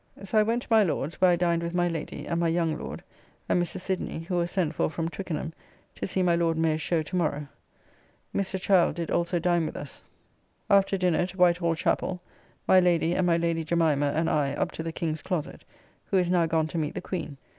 So I went to my Lord's, where I dined with my Lady, and my young Lord, and Mr. Sidney, who was sent for from Twickenham to see my Lord Mayor's show to morrow. Mr. Child did also dine with us. After dinner to White Hall chappell; my Lady and my Lady Jemimah and I up to the King's closet (who is now gone to meet the Queen).